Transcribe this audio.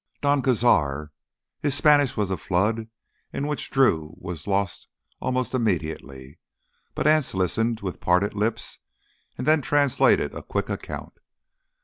"Don Cazar." His Spanish was a flood in which Drew was lost almost immediately, but Anse listened with parted lips and then translated a quick account.